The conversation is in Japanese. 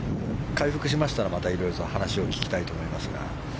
回復しましたらまたいろいろと話を聞きたいと思いますが。